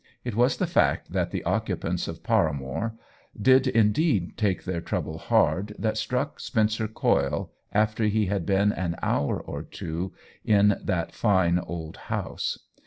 It was the fact that the occupants of Paramore did indeed take their trouble hard that struck Spencer Coyle after he had been an hour or two in that fine old l8o OWEN WINGRAVE house.